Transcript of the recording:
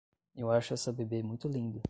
Eu acho essa bebê muito linda!